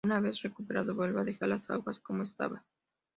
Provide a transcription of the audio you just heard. Una vez recuperado, vuelve a dejar las aguas como estaban.